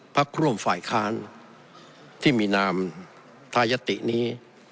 พักร่วมฝ่ายค้านที่มีนามทายตินี้